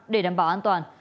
để đảm bảo an toàn